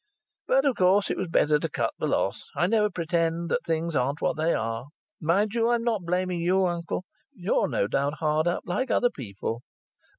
But, of course, it was better to cut the loss. I never pretend that things aren't what they are. Mind you, I'm not blaming you, uncle. You're no doubt hard up like other people."